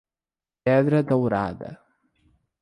Pedra Dourada